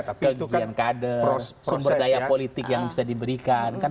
nah iya kegigihan kader sumber daya politik yang bisa diberikan kan pasti kan